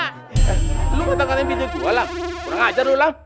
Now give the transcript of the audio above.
eh lu katanya binti gua lam kurang ajar lu lam